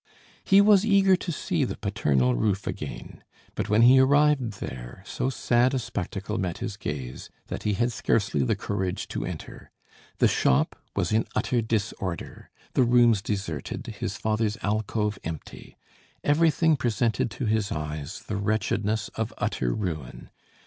He was eager to see the paternal roof again. But when he arrived there so sad a spectacle met his gaze, that he had scarcely the courage to enter. The shop was in utter disorder, the rooms deserted, his father's alcove empty. Everything presented to his eyes the wretchedness of utter ruin.